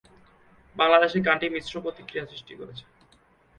বাংলাদেশে গানটি মিশ্র প্রতিক্রিয়া সৃষ্টি করেছে।